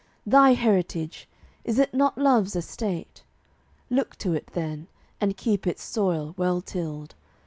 Thy heritage! Is it not love's estate? Look to it, then, and keep its soil well tilled.